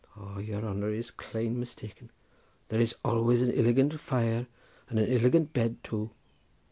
"O, your honour is clane mistaken; there is always an illigant fire and an illigant bed too."